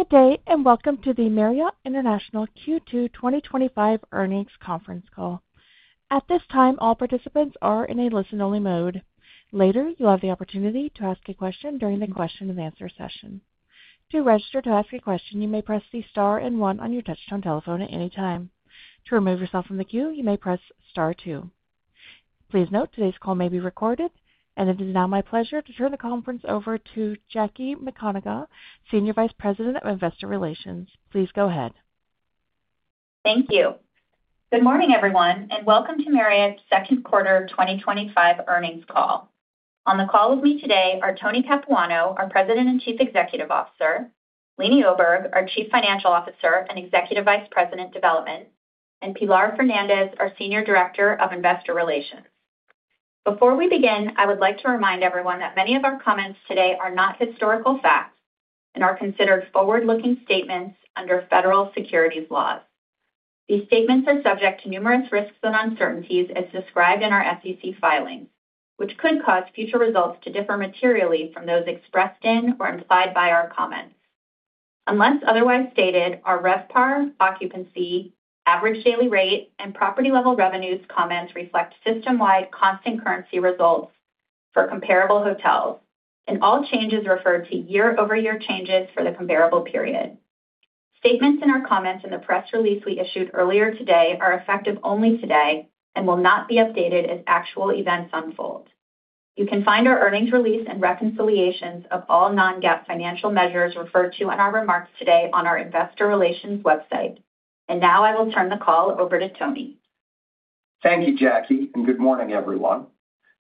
Good day and welcome to the Marriott International Q2 2025 earnings conference call. At this time, all participants are in a listen only mode. Later, you have the opportunity to ask a question during the question and answer session. To register to ask a question, you may press the star and one on your touchtone telephone at any time. To remove yourself from the queue, you may press star two. Please note today's call may be recorded and it is now my pleasure to turn the conference over to Jackie McConagha, Senior Vice President of Investor Relations. Please go ahead. Thank you. Good morning everyone and welcome to Marriott International's second quarter 2025 earnings call. On the call with me today are Anthony Capuano, our President and Chief Executive Officer, Leeny Oberg, our Chief Financial Officer and Executive Vice President Development, and Pilar Fernandez, our Senior Director of Investor Relations. Before we begin, I would like to remind everyone that many of our comments today are not historical facts and are considered forward looking statements under federal securities laws. These statements are subject to numerous risks and uncertainties as described in our SEC filing which could cause future results to differ materially from those expressed in or implied by our comments. Unless otherwise stated, our RevPAR, occupancy, average daily rate, and property level revenues comments reflect system wide constant currency results for comparable hotels and all changes refer to year-over-year changes for the comparable period. Statements in our comments in the press release we issued earlier today are effective only today and will not be updated as actual events unfold. You can find our earnings release and reconciliations of all non-GAAP financial measures referred to in our remarks today on our Investor Relations website. Now I will turn the call over to Tony. Thank you, Jackie, and good morning, everyone.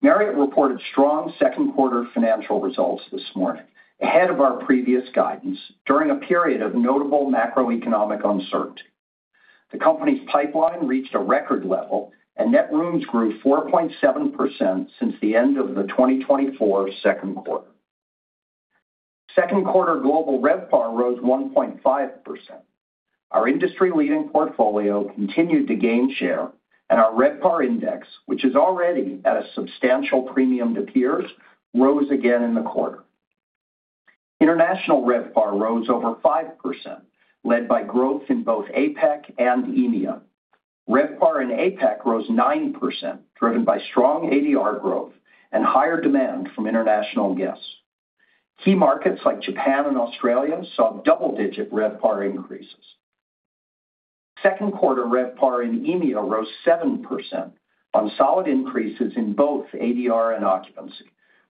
Marriott reported strong second quarter financial results this morning ahead of our previous guidance. During a period of notable macroeconomic uncertainty, the company's pipeline reached a record level, and net rooms grew 4.7% since the end of the 2024 second quarter. Second quarter global RevPAR rose 1.5%. Our industry-leading portfolio continued to gain share, and our RevPAR index, which is already at a substantial premium to peers, rose again in the quarter. International RevPAR rose over 5%, led by growth in both APAC and EMEA. RevPAR in APAC rose 9%, driven by strong ADR growth and higher demand from international guests. Key markets like Japan and Australia saw double-digit RevPAR increases. Second quarter RevPAR in EMEA rose 7% on solid increases in both ADR and occupancy,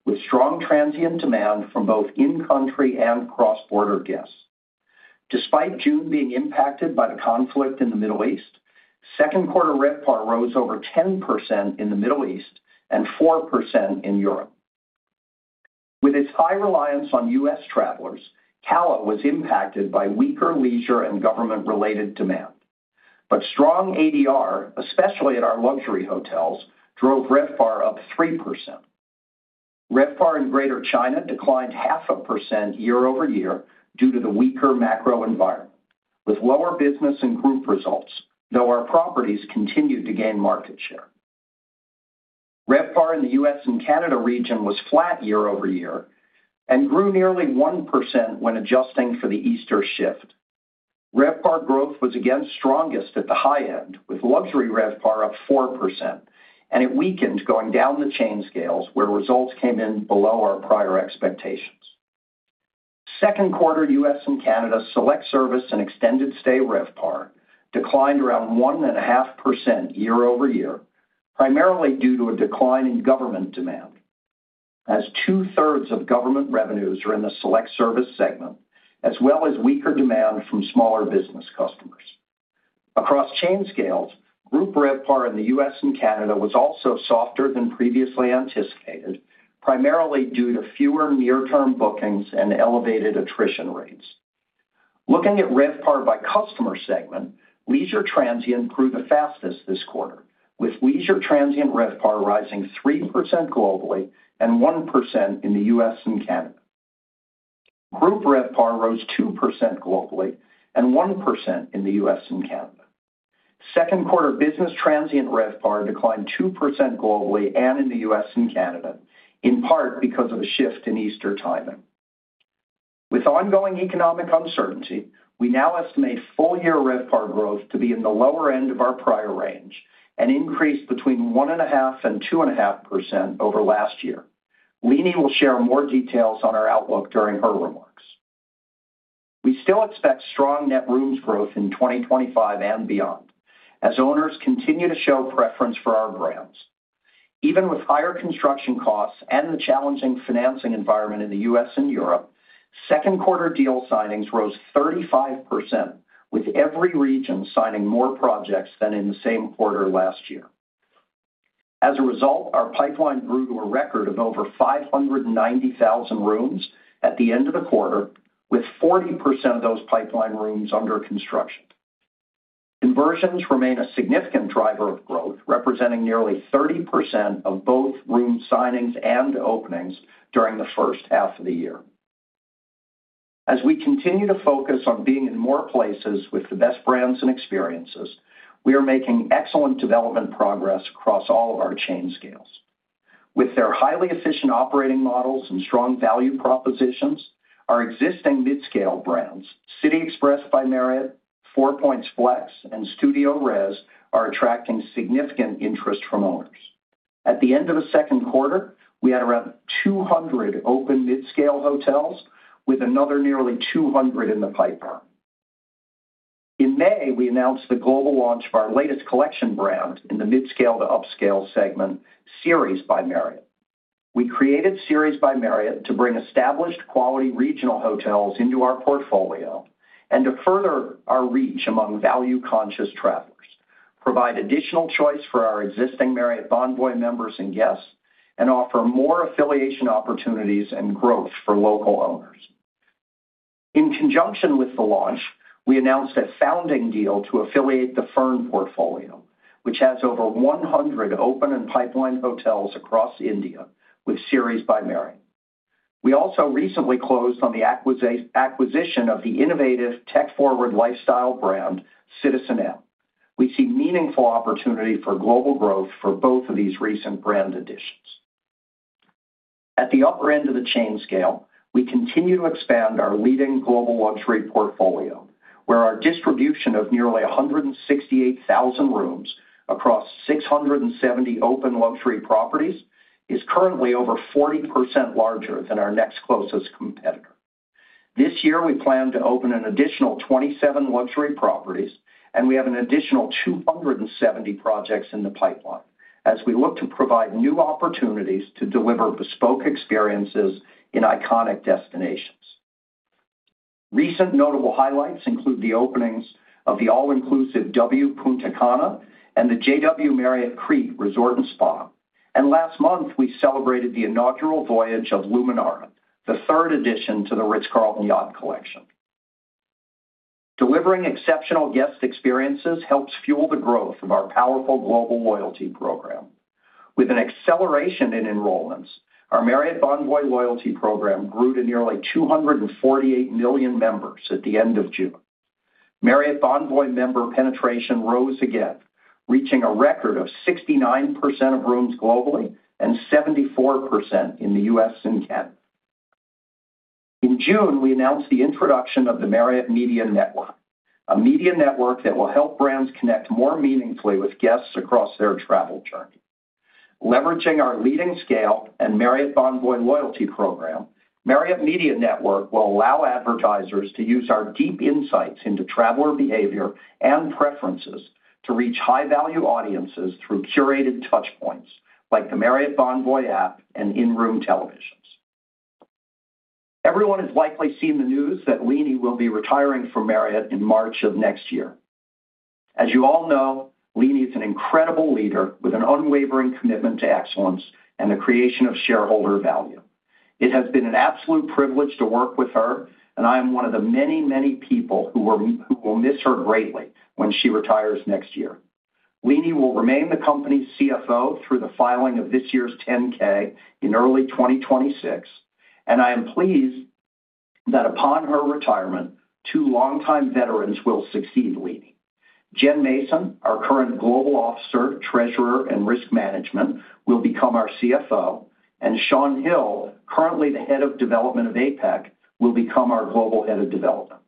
with strong transient demand from both in-country and cross-border guests, despite June being impacted by the conflict in the Middle East. Second quarter RevPAR rose over 10% in the Middle East and 4% in Europe, with its high reliance on U.S. travelers. Canada was impacted by weaker leisure and government-related demand, but strong ADR, especially at our luxury hotels, drove RevPAR up 3%. RevPAR in Greater China declined 0.5% year-over-year due to the weaker macro environment with lower business improved results, though our properties continued to gain market share. RevPAR in the U.S. and Canada region was flat year-over-year and grew nearly 1% when adjusting for the Easter shift. RevPAR growth was again strongest at the high end, with luxury RevPAR up 4%, and it weakened going down the chain scales where results came in below our prior expectations. Second quarter U.S. and Canada select service and extended stay RevPAR declined around 1.5% year-over-year, primarily due to a decline in government demand, as 2/3 of government revenues are in the select service segment, as well as weaker demand from smaller business customers across chain scales. Group RevPAR in the U.S. and Canada was also softer than previously anticipated, primarily due to fewer near-term bookings and elevated attrition rates. Looking at RevPAR by customer segment, Leisure Transient grew the fastest this quarter, with Leisure Transient RevPAR rising 3% globally and 1% in the U.S. and Canada. Group RevPAR rose 2% globally and 1% in the U.S. and Canada. Second quarter Business Transient RevPAR declined 2% globally and in the U.S. and Canada in part because of a shift in Easter timing. With ongoing economic uncertainty, we now estimate full-year RevPAR growth to be in the lower end of our prior range and increase between 1.5% and 2.5% over last year. Leeny will share more details on our outlook during her remarks. We still expect strong net rooms growth in 2025 and beyond as owners continue to show preference for our brands even with higher construction costs and the challenging financing environment. In the U.S. and Europe, second quarter deal signings rose 35% with every region signing more projects than in the same quarter last year. As a result, our pipeline grew to a record of over 590,000 rooms at the end of the quarter with 40% of those pipeline rooms under construction. Conversions remain a significant driver of growth, representing nearly 30% of both room signings and openings during the first half of the year. As we continue to focus on being in more places with the best brands and experiences, we are making excellent development progress across all of our chain scales with their highly efficient operating models and strong value propositions. Our existing midscale brands City Express by Marriott, Four Points, Flex, and StudioRes are attracting significant interest from owners. At the end of the second quarter, we had around 200 open midscale hotels with another nearly 200 in the pipeline. In May, we announced the global launch of our latest collection brand in the midscale to upscale segment, Series by Marriott. We created Series by Marriott to bring established quality regional hotels into our portfolio and to further our reach among value-conscious travelers, provide additional choice for our existing Marriott Bonvoy members and guests, and offer more affiliation opportunities and growth for local owners. In conjunction with the launch, we announced a founding deal to affiliate the Fern portfolio, which has over 100 open and pipeline hotels across India. With Series by Marriott, we also recently closed on the acquisition of the innovative tech-forward lifestyle brand citizenM. We see meaningful opportunity for global growth for both of these recent brand additions. At the upper end of the chain scale, we continue to expand our leading global luxury portfolio where our distribution of nearly 168,000 rooms across 670 open luxury properties is currently over 40% larger than our next closest competitor. This year we plan to open an additional 27 luxury properties and we have an additional 270 projects in the pipeline as we look to provide new opportunities to deliver bespoke experiences in iconic destinations. Recent notable highlights include the openings of the all-inclusive W Punta Cana and the JW Marriott Creek Resort and Spa. Last month we celebrated the inaugural voyage of Luminara, the third addition to The Ritz-Carlton Yacht Collection. Delivering exceptional guest experiences helps fuel the growth of our powerful global loyalty program. With an acceleration in enrollments, our Marriott Bonvoy loyalty program grew to nearly 248 million members. At the end of June, Marriott Bonvoy member penetration rose again, reaching a record of 69% of rooms globally and 74% in the U.S. and Canada. In June, we announced the introduction of the Marriott Media Network, a media network that will help brands connect more meaningfully with guests across their travel journey. Leveraging our leading scale and Marriott Bonvoy loyalty program, Marriott Media Network will allow advertisers to use our deep insights into traveler behavior and preferences to reach high-value audiences through curated touchpoints like the Marriott Bonvoy app and in-room televisions. Everyone has likely seen the news that Leeny will be retiring from Marriott International in March of next year. As you all know, Leeny is an incredible leader with an unwavering commitment to excellence and the creation of shareholder value. It has been an absolute privilege to work with her and I am one of the many, many people who will miss her greatly when she retires next year. Leeny will remain the company's CFO through the filing of this year's Form 10-K in early 2026. I am pleased that upon her retirement, two longtime veterans will succeed Leeny. Jen Mason, our current Global Officer, Treasurer and Risk Management, will become our CFO, and Shawn Hill, currently the Head of Development of APAC, will become our Global Head of Development.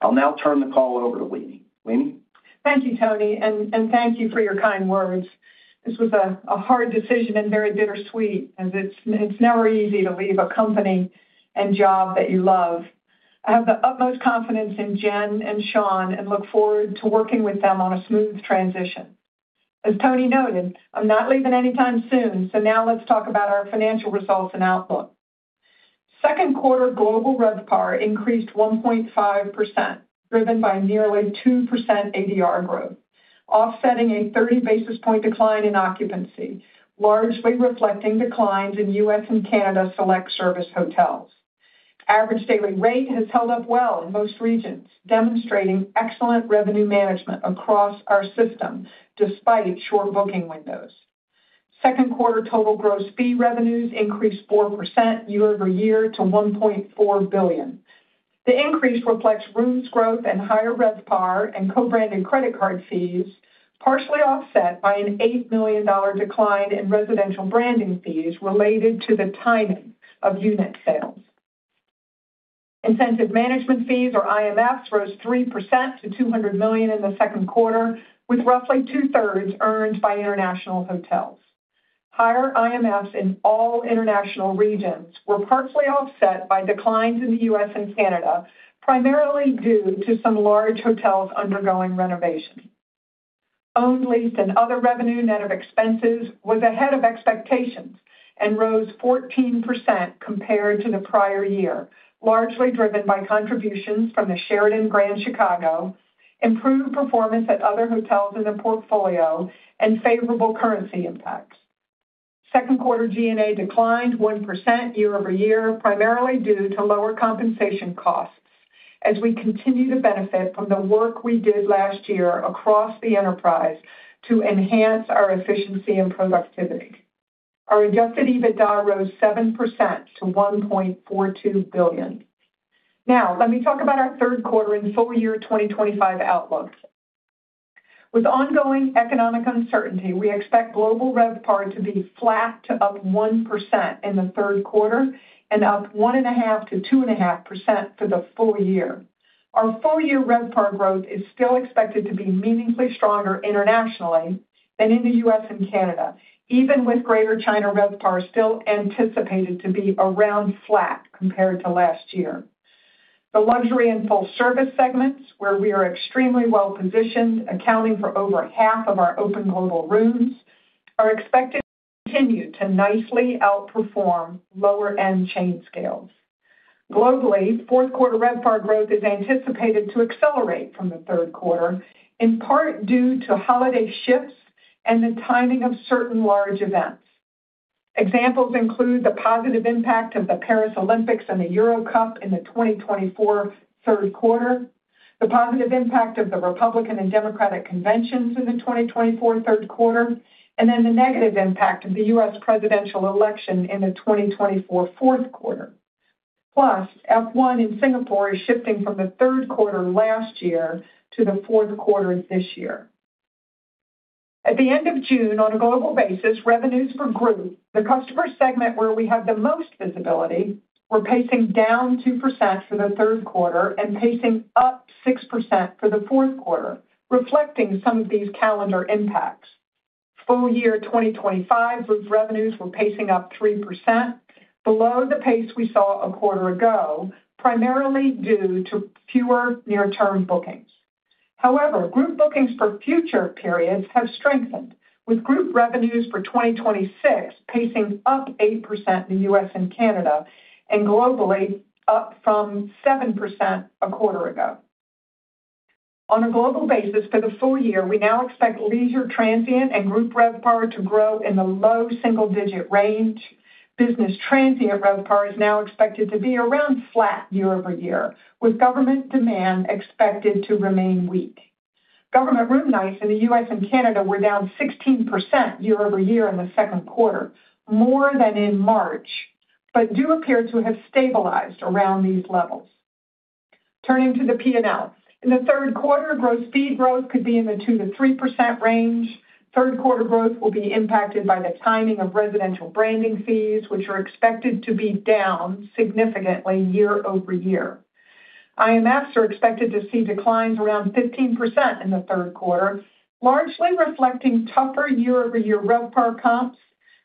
I'll now turn the call over to Leeny. Thank you, Tony, and thank you for your kind words. This was a hard decision and very bittersweet. As it's never easy to leave a company and job that you love, I have the utmost confidence in Jen and Shawn and look forward to working with them on a smooth transition. As Tony noted, I'm not leaving anytime soon. Now let's talk about our financial results and outlook. Second quarter global RevPAR increased 1.5%, driven by nearly 2% ADR growth, offsetting a 30 basis point decline in occupancy, largely reflecting declines in U.S. and Canada select service hotels. Average daily rate has held up well in most regions, demonstrating excellent revenue management across our system despite short booking windows. Second quarter total gross fee revenues increased 4% year-over-year to $1.4 billion. The increase reflects rooms growth and higher RevPAR and co-branded credit card fees, partially offset by an $8 million decline in residential branding fees related to the timing of unit sales. Incentive management fees, or IMFs, rose 3% to $200 million in the second quarter, with roughly 2/3 earned by international hotels. Higher IMFs in all international regions were partially offset by declines in the U.S. and Canada, primarily due to some large hotels undergoing renovations. Owned, leased, and other revenue, net of expenses, was ahead of expectations and rose 14% compared to the prior year, largely driven by contributions from the Sheraton Grand Chicago, improved performance at other hotels in the portfolio, and favorable currency impact. Second quarter G&A declined 1% year-over-year, primarily due to lower compensation costs. As we continue to benefit from the work we did last year across the enterprise to enhance our efficiency and productivity, our adjusted EBITDA rose 7% to $1.42 billion. Now let me talk about our third quarter and full year 2025 outlooks. With ongoing economic uncertainty, we expect global RevPAR to be flat to up 1% in the third quarter and up 1.5% to 2.5% for the full year. Our full year RevPAR growth is still expected to be meaningfully stronger internationally than in the U.S. and Canada, even with Greater China RevPAR still anticipated to be around flat compared to last year. The luxury and full service segments, where we are extremely well positioned, accounting for over half of our open global rooms, are expected to continue to nicely outperform lower end chain scales globally. Fourth quarter RevPAR growth is anticipated to accelerate from the third quarter, in part due to holiday shifts and the timing of certain large events. Examples include the positive impact of the Paris Olympics and the Euro Cup in the 2024 third quarter, the positive impact of the Republican and Democratic conventions in the 2024 third quarter, and then the negative impact of the U.S. presidential election in the 2024 fourth quarter. Plus, Act 1 in Singapore is shifting from the third quarter last year to the fourth quarter of this year at the end of June. On a global basis, revenues for group, the customer segment where we had the most visibility, were pacing down 2% for the third quarter and pacing up 6% for the fourth quarter. Reflecting some of these calendar impacts, full-year 2025 group revenues were pacing up 3%, below the pace we saw a quarter ago, primarily due to fewer near-term bookings. However, group bookings for future periods have strengthened, with group revenues for 2026 pacing up 8% in the U.S. and Canada and globally, up from 7% a quarter ago. On a global basis for the full year, we now expect leisure transient and group RevPAR to grow in the low single digit range. Business transient RevPAR is now expected to be around flat year-over-year, with government demand expected to remain weak. Government room nights in the U.S. and Canada were down 16% year-over-year in the second quarter, more than in March, but do appear to have stabilized around these levels. Turning to the P&L, in the third quarter, gross fee growth could be in the 2%-3% range. Third quarter growth will be impacted by the timing of residential branding fees, which are expected to be down significantly year-over-year. IMFs are expected to see declines around 15% in the third quarter, largely reflecting tougher year-over-year RevPAR comps,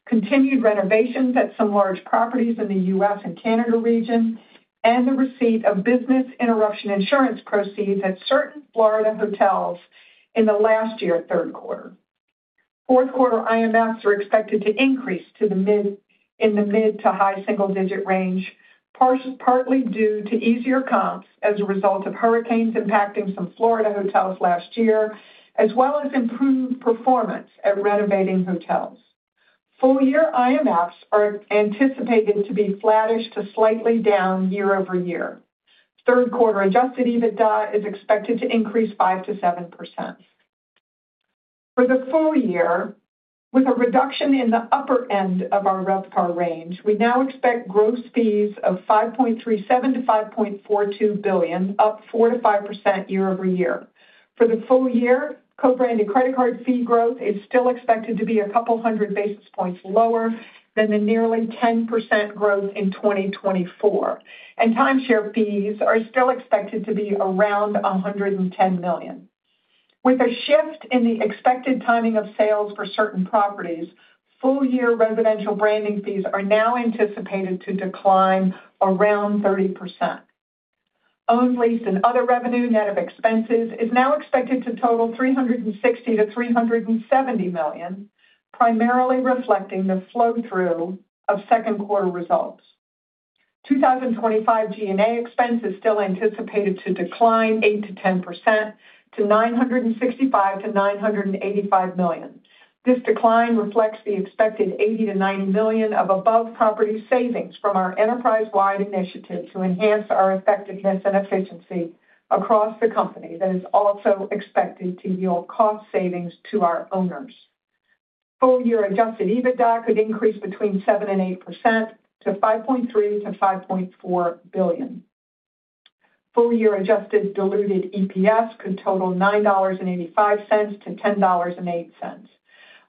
continued renovations at some large properties in the U.S. and Canada region, and the receipt of business interruption insurance proceeds at certain Florida hotels in the last year. Third and fourth quarter IMFs are expected to increase in the mid to high single digit range, partly due to easier comps as a result of hurricanes impacting some Florida hotels last year as well as improved performance at renovating hotels. Full year IMFs are anticipated to be flattish to slightly down year-over-year. Third quarter adjusted EBITDA is expected to increase 5%-7% for the full year with a reduction in the upper end of our RevPAR range. We now expect gross fees of $5.37 billion to $5.42 billion, up 4% to 5% year-over-year for the full year. Co-branded credit card fee growth is still expected to be a couple hundred basis points lower than the nearly 10% growth in 2024, and timeshare fees are still expected to be around $110 million with a shift in the expected timing of sales for certain properties. Full year residential branding fees are now anticipated to decline around 30%. Owned, lease, and other revenue net of expenses is now expected to total $360 million-$370 million, primarily reflecting the flow through of second quarter results. 2025 G&A expense is still anticipated to decline 8%-10% to $965 million-$985 million. This decline reflects the expected $80 million-$90 million of above property savings from our enterprise-wide initiative to enhance our effectiveness and efficiency across the company. That is also expected to yield cost savings to our owners. Full year adjusted EBITDA could increase between 7% and 8% to $5.3 billion-$5.4 billion. Full year adjusted diluted EPS could total $9.85-$10.08.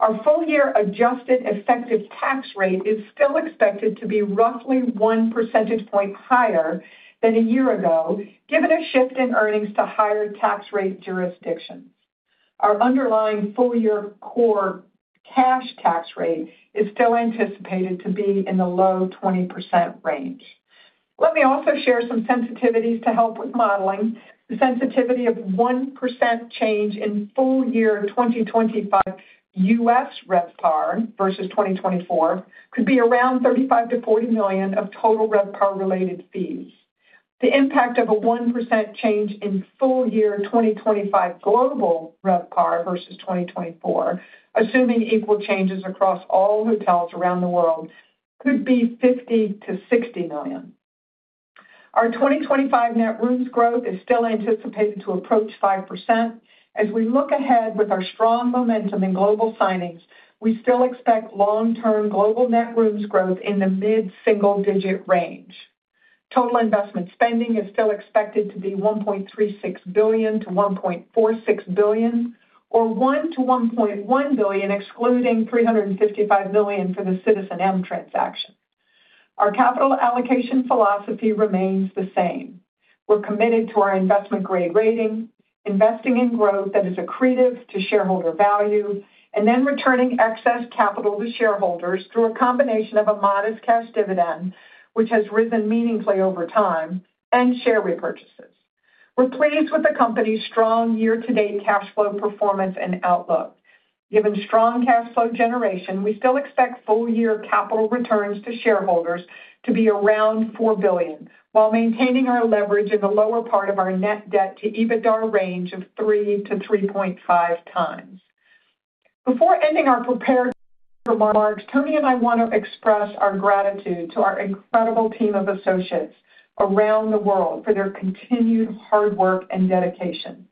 Our full year adjusted effective tax rate is still expected to be roughly 1 percentage point higher than a year ago, given a shift in earnings to higher tax rate jurisdiction. Our underlying full year core cash tax rate is still anticipated to be in the low 20% range. Let me also share some sensitivities to help with modeling. The sensitivity of a 1% change in full year 2025 U.S. RevPAR vs 2024 could be around $35 million-$40 million of total RevPAR related fees. The impact of a 1% change in full year 2025 global RevPAR vs 2024, assuming equal changes across all hotels around the world, could be $50 million-$60 million. Our 2025 net rooms growth is still anticipated to approach 5%. As we look ahead with our strong momentum in global signings, we still expect long-term global net rooms growth in the mid-single digit range. Total investment spending is still expected to be $1.36 billion-$1.1 billion, excluding $355 million for the citizenM transaction. Our capital allocation philosophy remains the same. We're committed to our investment grade rating, investing in growth that is accretive to shareholder value, and then returning excess capital to shareholders through a combination of a modest cash dividend, which has risen meaningfully over time, and share repurchases. We're pleased with the company's strong year-to-date cash flow performance and outlook. Given strong cash flow generation, we still expect full-year capital returns to shareholders to be around $4 billion while maintaining our leverage at the lower part of our net debt to EBITDA range of 3x-3.5x. Before ending our prepared remarks, Tony and I want to express our gratitude to our incredible team of associates around the world for their continued hard work and dedication.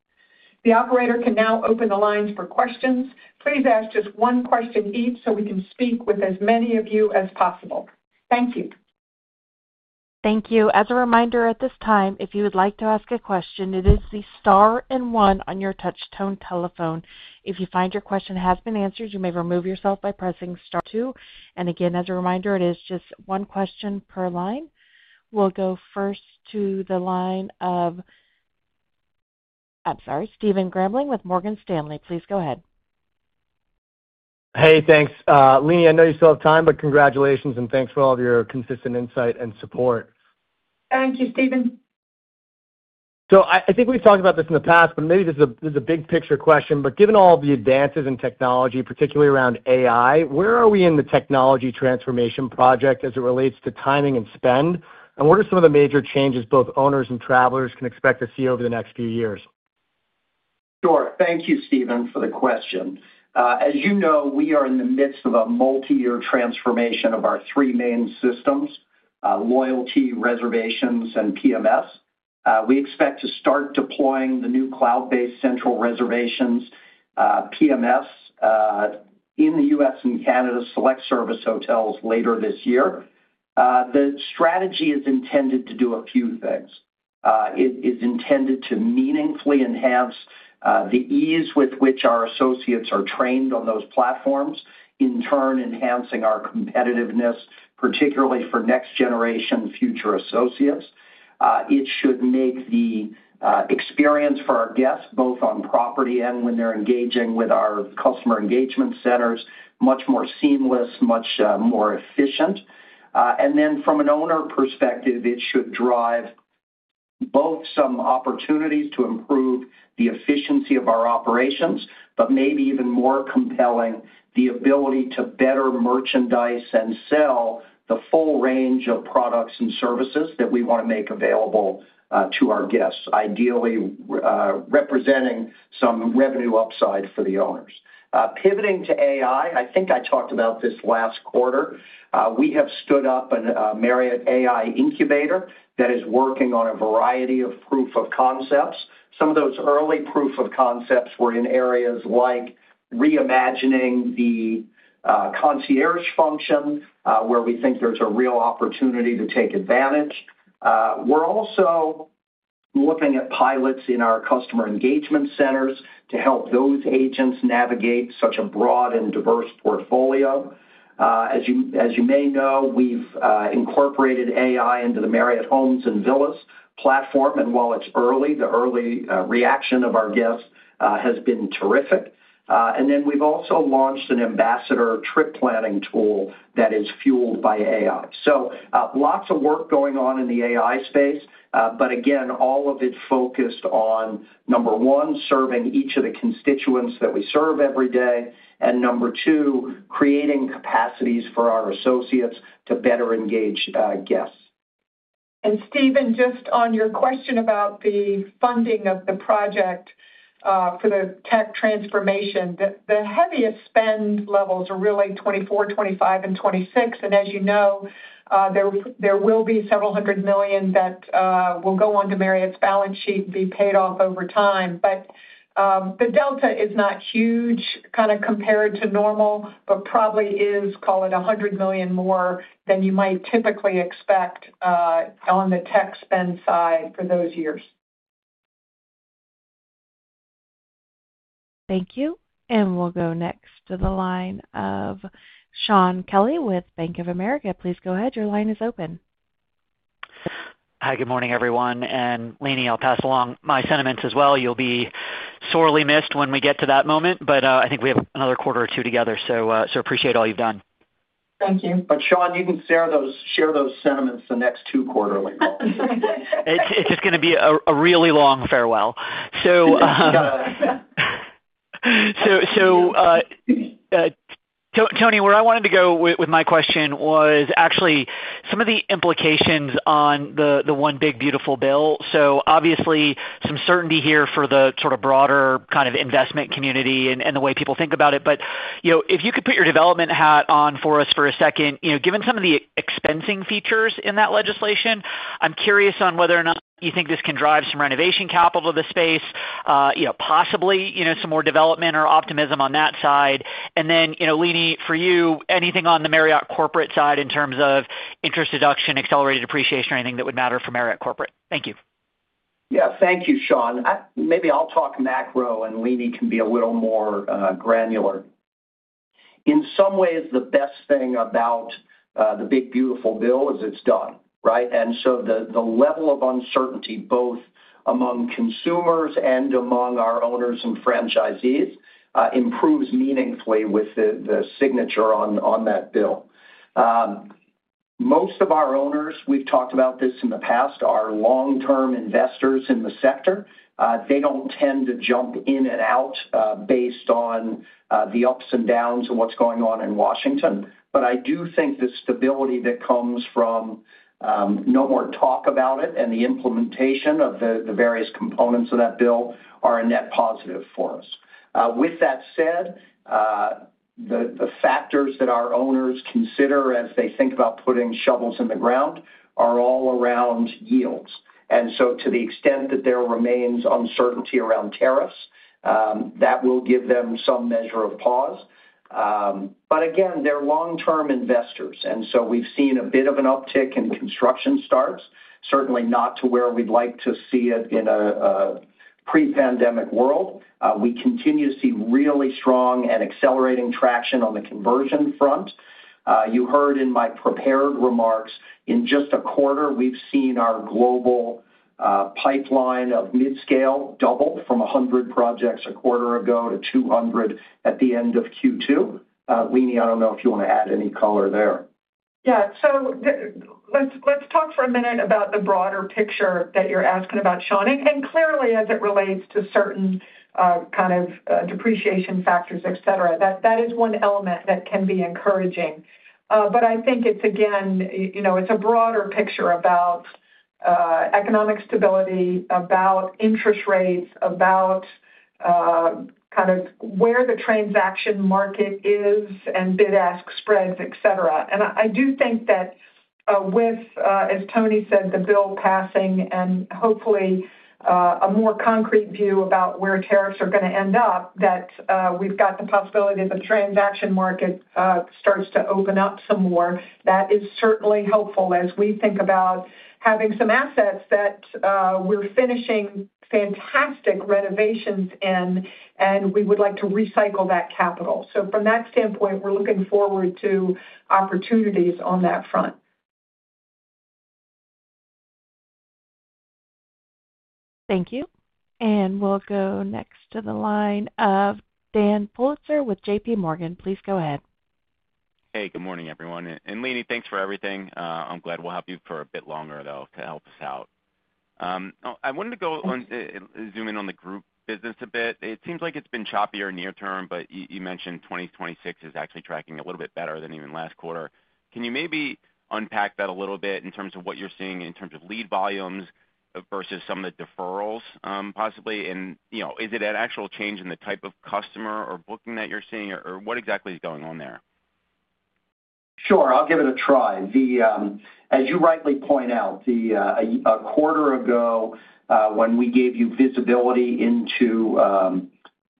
The operator can now open the lines for questions. Please ask just one question each so we can speak with as many of you as possible. Thank you. Thank you. As a reminder, at this time if you would like to ask a question, it is the star and one on your touch tone telephone. If you find your question has been answered, you may remove yourself by pressing star two. Again, as a reminder, it is just one question per line. We'll go first to the line of, I'm sorry, Stephen Grambling with Morgan Stanley. Please go ahead. Hey, thanks Leeny. I know you still have time, but congratulations and thanks for all of your consistent insight and support. Thank you, Stephen. I think we've talked about this. In the past, but maybe this is a big picture question, but given all the advances in technology, particularly around AI, where are we in the technology transformation project as it relates to timing and spending, and what are some of the major changes both owners and travelers can expect to see over the next few years? Thank you, Stephen, for the question. As you know, we are in the midst of a multi-year transformation of our three main systems: Loyalty, Reservations, and PMS. We expect to start deploying the new cloud-based central reservations and PMS in the U.S. and Canada select service hotels later this year. The strategy is intended to do a few things. It is intended to meaningfully enhance the ease with which our associates are trained on those platforms, in turn enhancing our competitiveness, particularly for next-generation future associates. It should make the experience for our guests, both on property and when they're engaging with our customer engagement centers, much more seamless, much more efficient, and from an owner perspective, it should drive both some opportunities to improve the efficiency of our operations, but maybe even more compelling, the ability to better merchandise and sell the full range of products and services that we want to make available to our guests, ideally representing some revenue upside for the owners. Pivoting to AI, I think I talked about this last quarter. We have stood up a Marriott AI incubator that is working on a variety of proof of concepts. Some of those early proof of concepts were in areas like reimagining the concierge function, where we think there's a real opportunity to take advantage. We're also looking at pilots in our customer engagement centers to help those agents navigate such a broad and diverse portfolio. As you may know, we've incorporated AI into the Marriott Homes and Villas platform, and while it's early, the early reaction of our guests has been terrific. We've also launched an ambassador trip planning tool that is fueled by AI. Lots of work is going on in the AI space, but again, all of it's focused on, number one, serving each of the constituents that we serve every day, and number two, creating capacities for our associates to better engage guests. Stephen, just on your question about the funding of the project for the tech transformation, the heaviest spend levels are really 2024, 2025, and 2026. As you know, there will be several hundred million that will go on to Marriott's balance sheet and be paid off over time. The delta is not huge, kind of compared to normal, but probably is. Call it $100 million and more than you might typically expect on the tech spend side for those years. Thank you. We'll go next to the line of Shaun Kelley with Bank of America. Please go ahead. Your line is open. Hi, good morning everyone. Leeny, I'll pass along my sentiments as well. You'll be sorely missed when we get to that moment. I think we have another quarter or two together. Appreciate all you've done. Thank you. Shaun, you can share those sentiments. The next two quarterly. It's just going to be a really long farewell. Tony, where I wanted to go with my question was actually some of the implications on the one big beautiful bill. Obviously, some certainty here for the broader investment community. The way people think about it, if you could put your development hat on for us for a second, given some of the expensing features in that legislation, I'm curious on whether or not you. Think this can drive some renovation capital of the space. You know, possibly some more. Development or optimism on that side. Leeny, for you, anything on the Marriott corporate side in terms of interest, deduction, accelerated depreciation or. Anything that would matter for Marriott corporate. Thank you. Yeah, thank you, Sean. Maybe I'll talk macro and Leeny can be a little more granular. In some ways, the best thing about the big beautiful bill is it's done right. The level of uncertainty both among consumers and among our owners and franchisees improves meaningfully with the signature on that bill. Most of our owners, we've talked about this in the past, are long term investors in the sector. They don't tend to jump in and out based on the ups and downs of what's going on in Washington. I do think the stability that comes from no more talk about it and the implementation of the various components of that bill are a net positive for us. With that said, the factors that our owners consider as they think about putting shovels in the ground are all around yields. To the extent that there remains uncertainty around tariffs, that will give them some measure of pause. They're long term investors. We've seen a bit of an uptick in construction starts, certainly not to where we'd like to see it in a pre-pandemic world. We continue to see really strong and accelerating traction on the conversion front. You heard in my prepared remarks, in just a quarter we've seen our global pipeline of midscale double from 100 projects a quarter ago to 200 at the end of Q2. Leeny, I don't know if you want to add any color there. Yeah. Let's talk for a minute about the broader picture that you're asking about, Shaun. Clearly, as it relates to certain kind of depreciation factors, et cetera, that is one element that can be encouraging. I think it's, again, a broader picture about economic stability, about interest rates, about kind of where the transaction market is and bid-ask spreads, et cetera. I do think that with, as Tony said, the bill passing and hopefully a more concrete view about where tariffs are going to end up, we've got the possibility that the transaction market starts to open up some more. That is certainly helpful as we think about having some assets that are finishing fantastic renovations in and we would like to recycle that capital. From that standpoint, we're looking forward to opportunities on that front. Thank you. We'll go next to the line of Dan Pulitzer with JPMorgan. Please go ahead. Hey, good morning everyone. And Leeny, thanks for everything. I'm glad we'll have you for a bit longer though to help us out. I wanted to zoom in on the group business a bit. It seems like it's been choppier near term. You mentioned 2026 is actually tracking a little bit better than even last quarter. Can you maybe unpack that a little bit in terms of what you're seeing in terms of lead volumes versus some of the deferrals? Possibly. Is it an actual change in the type of customer or booking that you're seeing or what exactly is going on there? Sure, I'll give it a try. As you rightly point out, a quarter ago when we gave you visibility into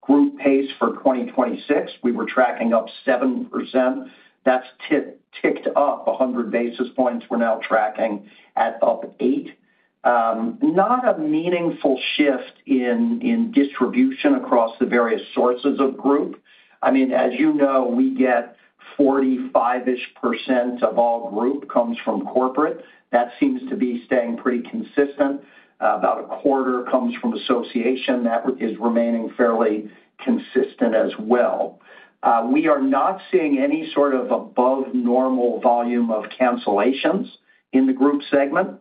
group pace for 2026, we were tracking up 7%. That's ticked up 100 basis points. We're now tracking at up 8%. Not a meaningful shift in distribution across the various sources of group. As you know, we get 45% of all group comes from corporate. That seems to be staying pretty consistent. About a quarter comes from association. That is remaining fairly consistent as well. We are not seeing any sort of above normal volume of cancellations in the group segment.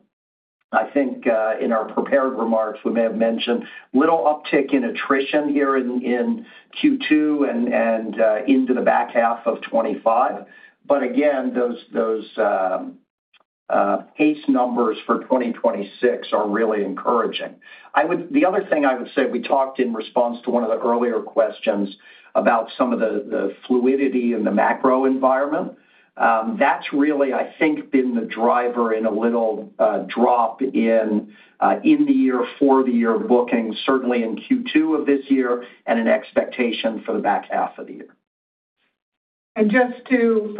I think in our prepared remarks we may have mentioned a little uptick in attrition here in Q2 and into the back half of 2025, but again those HEES numbers for 2026 are really encouraging. The other thing I would say, we talked in response to one of the earlier questions about some of the fluidity in the macro environment. That's really, I think, been the driver in a little drop in the year for the year bookings, certainly in Q2 of this year and an expectation for the back half of the year. To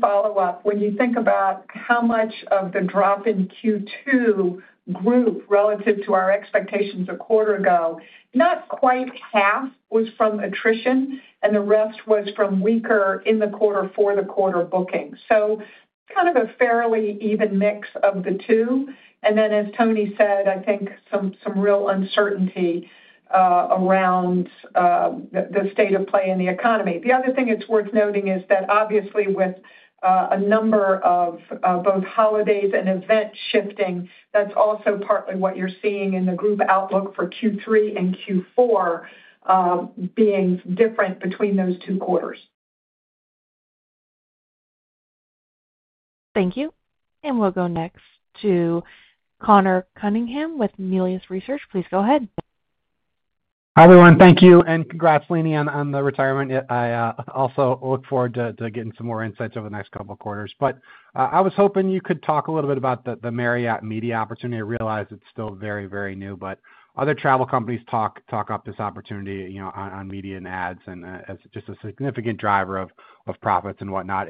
follow up, when you think about how much of the drop in Q2 grew relative to our expectations a quarter ago, not quite half was from attrition and the rest was from weaker in the quarter for the quarter bookings. It was kind of a fairly even mix of the two. As Tony said, I think some real uncertainty remains around the state of play in the economy. The other thing it's worth noting is that with a number of both holidays and event shifting, that's also partly what you're seeing in the group outlook for Q3 and Q4 being different between those two quarters. Thank you, and we'll go next to Conor Cunningham with Melius Research. Please go ahead. Hi everyone. Thank you and congrats Leeny on the retirement. I also look forward to getting some more insights over the next couple of quarters, but I was hoping you could talk a little bit about the Marriott Media Network opportunity. I realize it's still very, very new, but other travel companies talk up this opportunity on media and ads as just a significant driver of profits and whatnot.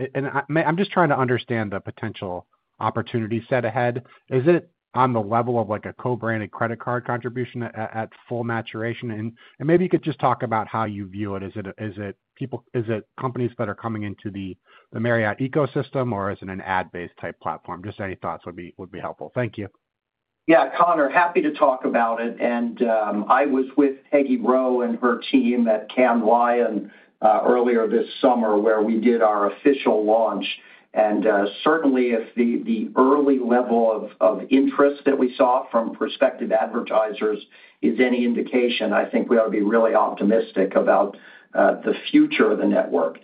I'm just trying to understand the potential opportunity set ahead. Is it on the level of like a co-branded credit card contribution at full maturation, and maybe you could just talk about how you view it. Is it people, is it companies that are coming into the Marriott ecosystem, or is it an ad-based type platform? Any thoughts would be helpful. Thank you. Yeah, Conor, happy to talk about it. I was with Peggy Roe and her team at Cannes Lions earlier this summer where we did our official launch. Certainly, if the early interest that we saw from prospective advertisers is any indication, I think we ought to be really optimistic about the future of the network.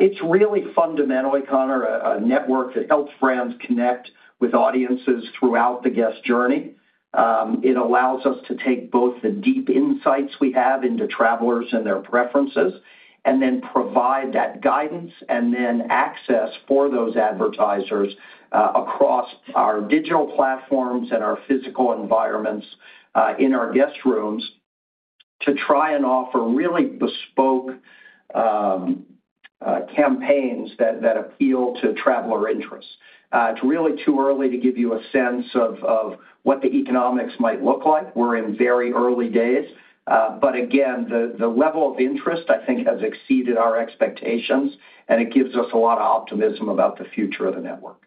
It's really, fundamentally, Conor, a network that helps brands connect with audiences throughout the guest journey. It allows us to take both the deep insights we have into travelers and their preferences and then provide that guidance and access for those advertisers across our digital platforms and our physical environments in our guest rooms to try and offer really bespoke campaigns that appeal to traveler interests. It's really too early to give you a sense of what the economics might look like. We're in very early days, but again, the level of interest I think has exceeded our expectations and it gives us a lot of optimism about the future of the network.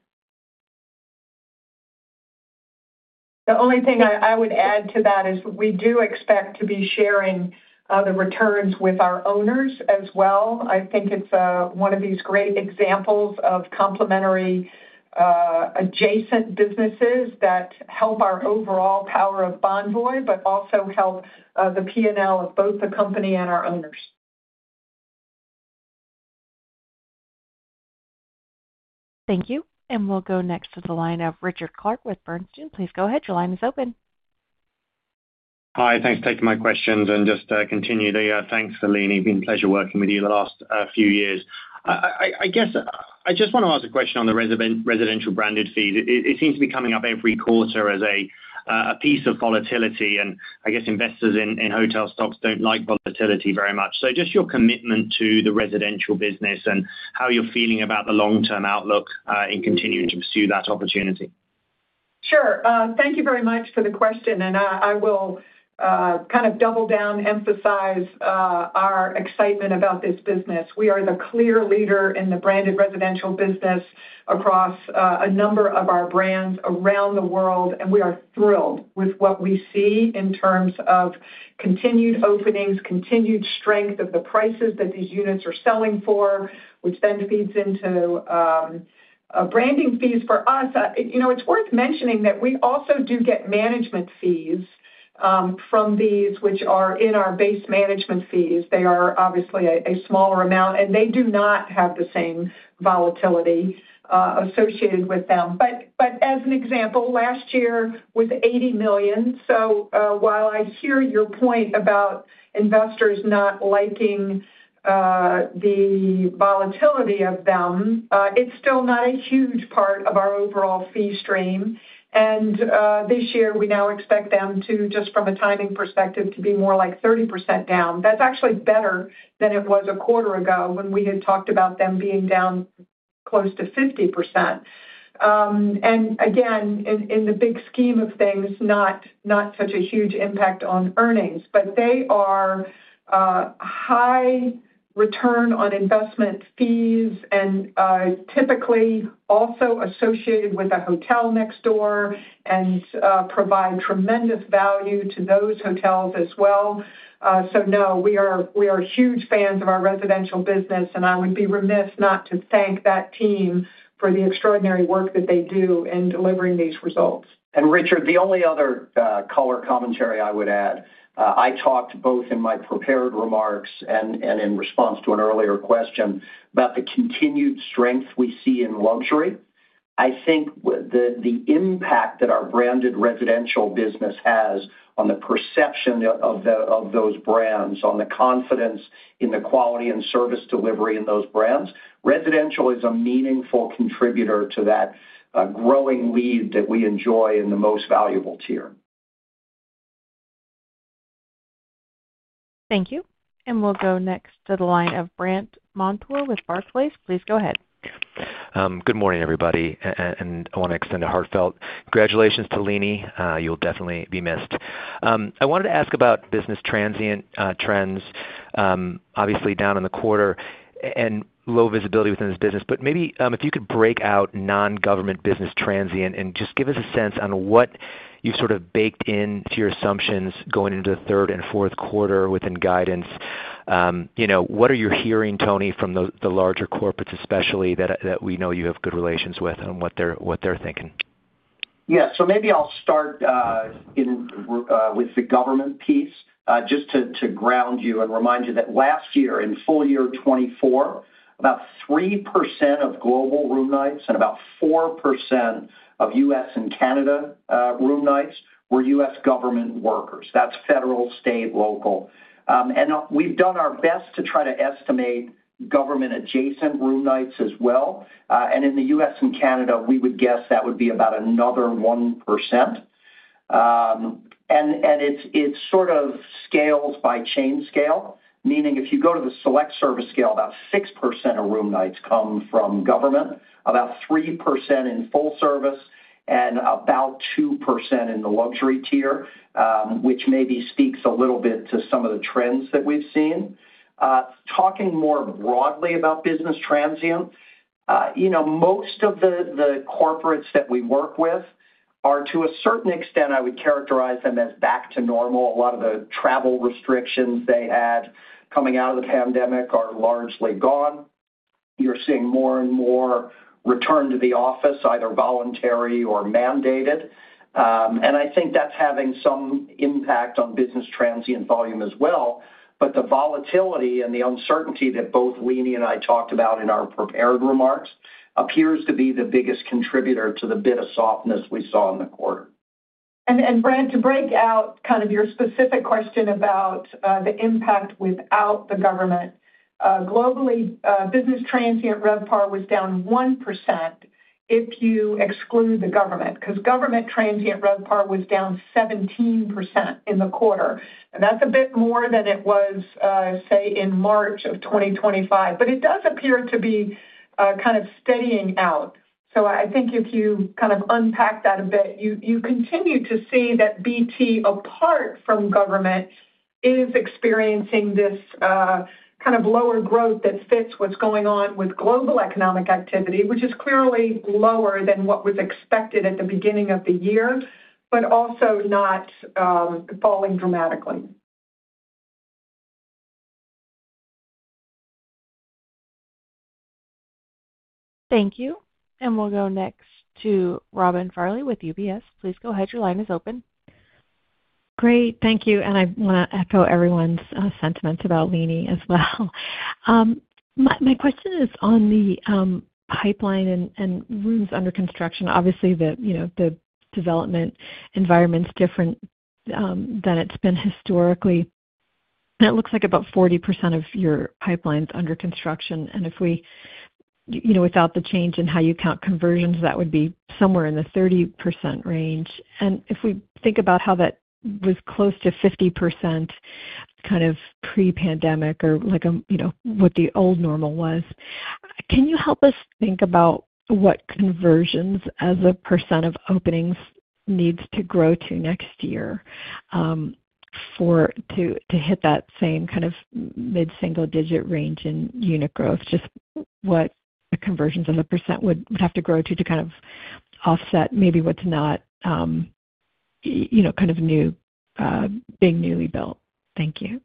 The only thing I would add to that is we do expect to be sharing the returns with our owners as well. I think it's one of these great examples of complementary adjacent businesses that help our overall power of Bonvoy, but also help the P&L of both the company and our owners. Thank you. We'll go next to the line of Richard Clarke with Bernstein. Please go ahead. Your line is open. Hi, thanks for taking my questions. Thanks, Leeny. Been a pleasure working with you the last few years. I guess I just want to ask a question on the branded residential fees. It seems to be coming up every quarter as a piece of volatility and I guess investors in hotel stocks don't like volatility very much. Just your commitment to the branded residential business and how you're feeling about the long term outlook in continuing to pursue that opportunity. Sure. Thank you very much for the question. I will kind of double down, emphasize our excitement about this business. We are the clear leader in the branded residential business across a number of our brands around the world, and we are thrilled with what we see in terms of continued openings, continued strength of the prices that these units are selling for, which then feeds into branding fees for us. It's worth mentioning that we also do get management fees from these, which are in our base management fees. They are obviously a smaller amount, and they do not have the same volatility associated with them. As an example, last year was $80 million. While I hear your point about investors not liking the volatility of them, it's still not a huge part of our overall fee stream. This year, we now expect them to, just from a timing perspective, to be more like 30% down. That's actually better than it was a quarter ago when we had talked about them being down close to 50%, and again, in the big scheme of things, not such a huge impact on earnings, but they are high return on investment fees and typically also associated with a hotel next door and provide tremendous value to those hotels as well. We are huge fans of our residential business, and I would be remiss not to thank that team for the extraordinary work that they do in delivering these results. Richard, the only other color commentary I would add, I talked both in my prepared remarks and in response to an earlier question about the continued strength we see in luxury. I think the impact that our branded residential business has on the perception of those brands, on the confidence in the quality and service delivery in those brands. Residential is a meaningful contributor to that growing lead that we enjoy in the most valuable tier. Thank you. We'll go next to the line of Brandt Montour with Barclays. Please go ahead. Good morning everybody. I want to extend a heartfelt congratulations to Leeny. You'll definitely be missed. I wanted to ask about business transient trends, obviously down in the quarter and low visibility within this business. Maybe if you could break out non-government business transient and just give us a sense on what you sort of baked into your assumptions going into the third and fourth quarter within guidance. What are you hearing, Tony, from the larger corporates especially that we know you have good relations with and what they're thinking? Yeah, maybe I'll start with the government piece just to ground you and remind you that last year, in full year 2024, about 3% of global room nights and about 4% of U.S. and Canada room nights were U.S. government workers. That's federal, state, local. We've done our best to try to estimate government adjacent room nights as well. In the U.S. and Canada, we would guess that would be about another 1%. It sort of scales by chain scale, meaning if you go to the select service scale, about 6% of room nights come from government, about 3% in full service and about 2% in the luxury tier, which maybe speaks a little bit to some of the trends that we've seen. Talking more broadly about business transient, most of the corporates that we work with are to a certain extent, I would characterize them as back to normal. A lot of the travel restrictions they had coming out of the pandemic are largely gone. You're seeing more and more return to the office, either voluntary or mandated. I think that's having some impact on business transient volume as well. The volatility and the uncertainty that both Leeny and I talked about in our prepared remarks appears to be the biggest contributor to the bit of softness we saw in the quarter. Brandt, to break out your specific question about the impact without the government globally, business transient RevPAR was down 1% if you exclude the government, because government training RevPAR was down 17% in the quarter. That's a bit more than it was in March of 2025, but it does appear to be steadying out. I think if you unpack that a bit, you continue to see that BT, apart from government, is experiencing this lower growth that fits what's going on with global economic activity, which is clearly lower than what was expected at the beginning of the year, but also not falling dramatically. Thank you. We'll go next to Robin Farley with UBS. Please go ahead. Your line is open. Great, thank you. I want to echo everyone's sentiments about Leeny as well. My question is on the pipeline and rooms under construction. Obviously, the development environment's different than it's been historically. It looks like about 40% of your pipeline's under construction, and without the change in how you count conversions, that would be somewhere in the 30% range. If we think about how that was close to 50% pre-pandemic or what the old normal was, can you help us think about what conversions as a percent of openings needs to grow to next year to hit that same kind of mid-single-digit range in unit growth? Just what the conversions and the percent would have to grow to in order to offset maybe what's not being newly built. Thank you.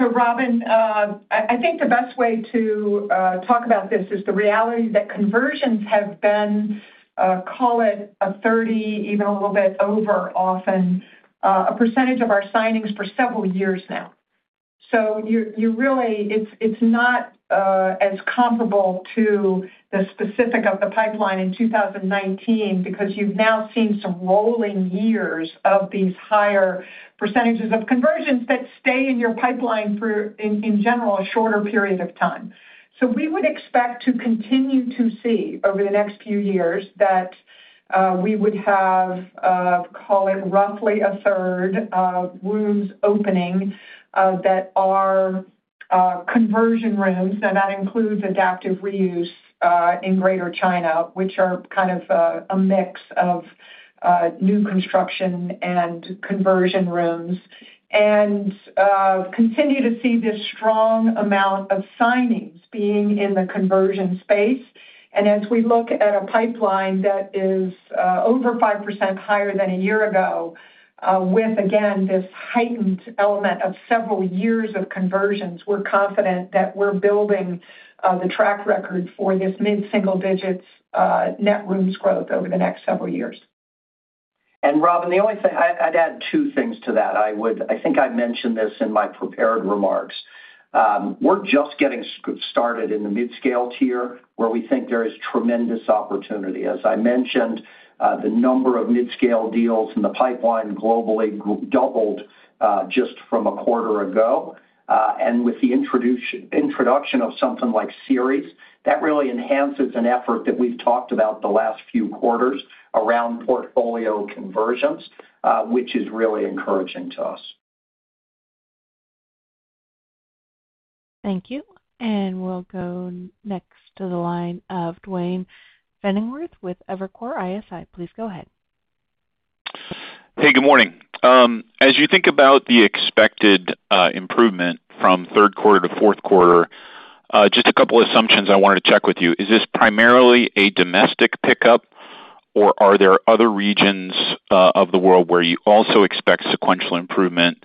Robin, I think the best way to talk about this is the reality that conversions have been, call it, 30% or even a little bit over, often a percentage of our signings for several years now. It's not as comparable to the specific of the pipeline in 2019 because you've now seen some rolling years of these higher percentages of conversions that stay in your pipeline for, in general, a shorter period of time. We would expect to continue to see over the next few years that we would have, call it, roughly a third of rooms opening that are conversion rooms, and that includes adaptive reuse in Greater China, which are a mix of new construction and conversion rooms, and continue to see this strong amount of signings being in the conversion space. As we look at a pipeline that is over 5% higher than a year ago, with this heightened element of several years of conversions, we're confident that we're building the track record for this mid-single-digit net rooms growth. Over the next several years. Robin, the only thing, I'd add two things to that. I think I mentioned this in my prepared remarks. We're just getting started in the midscale tier where we think there is tremendous opportunity. As I mentioned, the number of midscale deals in the pipeline globally doubled just from a quarter ago, and with the introduction of something like Series, that really enhances an effort that we've talked about the last few quarters around portfolio conversions, which is really encouraging to us. Thank you. We'll go next to the line of Duane Pfennigwerth with Evercore ISI. Please go ahead. Hey, good morning. As you think about the expected improvement from third quarter to fourth quarter, just a couple assumptions I wanted to check with you. Is this primarily a domestic pickup, or are there other regions of the world where you also expect sequential improvement?